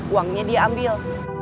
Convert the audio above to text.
uangnya dia ambil